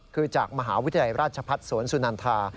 คือจากมหาวิทยาลัยราชพัฒน์สวนสุนันทา